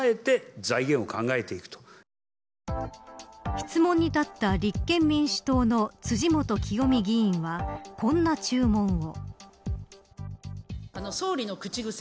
質問に立った立憲民主党の辻元清美議員はこんな注文を。